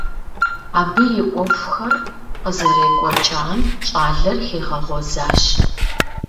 - Абы и Ӏуэхухэр къызэрекӀуэкӀам щӏалэр хигъэгъуэзащ.